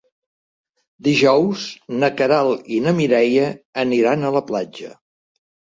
Dijous na Queralt i na Mireia aniran a la platja.